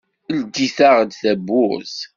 Ldit-aɣ-d tawwurt.